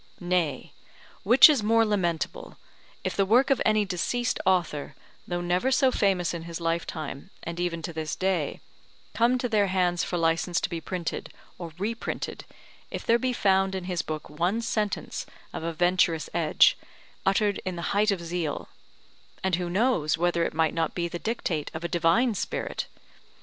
Nay, which is more lamentable, if the work of any deceased author, though never so famous in his lifetime and even to this day, come to their hands for licence to be printed, or reprinted, if there be found in his book one sentence of a venturous edge, uttered in the height of zeal (and who knows whether it might not be the dictate of a divine spirit?)